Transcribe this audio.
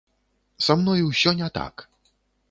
Са мной усё не так.